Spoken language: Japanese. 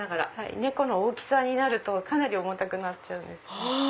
猫の大きさになるとかなり重たくなっちゃうんです。